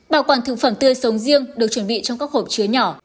bảo quản thực phẩm tươi sống riêng được chuẩn bị trong các hộp chứa nhỏ